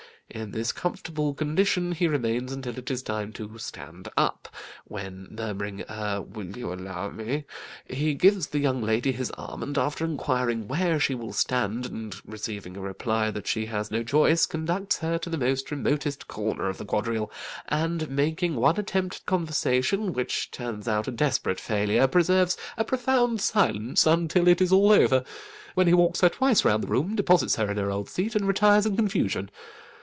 In this comfortable condition he remains until it is time to 'stand up,' when murmuring a 'Will you allow me?' he gives the young lady his arm, and after inquiring where she will stand, and receiving a reply that she has no choice, conducts her to the remotest corner of the quadrille, and making one attempt at conversation, which turns out a desperate failure, preserves a profound silence until it is all over, when he walks her twice round the room, deposits her in her old seat, and retires in confusion.